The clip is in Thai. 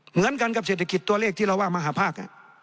เหมือนกันกับเศรษฐกิจตัวเลขที่เราว่ามหาภาค